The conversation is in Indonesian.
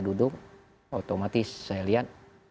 duduk otomatis saya lihat